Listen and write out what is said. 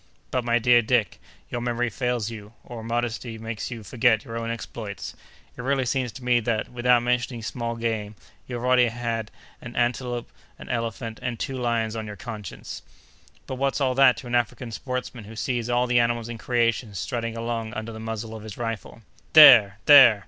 "But, my dear Dick, your memory fails you, or your modesty makes you forget your own exploits. It really seems to me that, without mentioning small game, you have already an antelope, an elephant, and two lions on your conscience." "But what's all that to an African sportsman who sees all the animals in creation strutting along under the muzzle of his rifle? There! there!